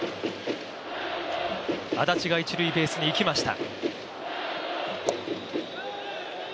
安達が一塁ベースに行きました。